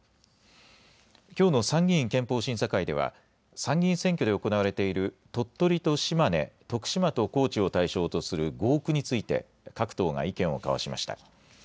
きょうの参議院憲法審査会では、参議院選挙で行われている鳥取と島根、徳島と高知を対象とする合区について、各党が意見を交わしました。